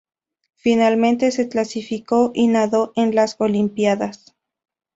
Finalmente se clasificó y nadó en las olimpiadas.